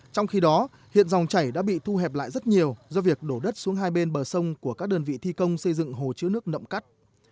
trong khi đó hiện dòng chảy đã bị thu hẹp lại rất nhiều do việc đổ đất xuống hai bên bờ sông của các đơn vị thi công xây dựng hồ chứa nước nậm cắt